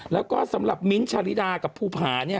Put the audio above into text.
แล้วก็สำหรับมิ้นท์ชาลิดากับภูผาเนี่ย